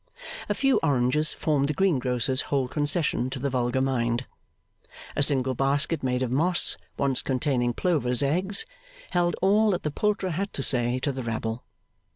A few oranges formed the greengrocer's whole concession to the vulgar mind. A single basket made of moss, once containing plovers' eggs, held all that the poulterer had to say to the rabble.